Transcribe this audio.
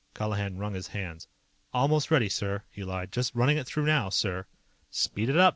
Colihan wrung his hands. "Almost ready, sir," he lied. "Just running it through now, sir." "Speed it up.